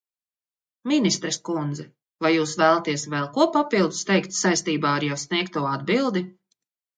Ministres kundze, vai jūs vēlaties vēl ko papildus teikt saistībā ar jau sniegto atbildi?